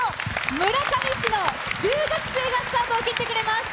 村上市の中学生がスタートを切ってくれます。